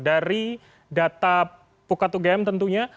dari data pukatugam tentunya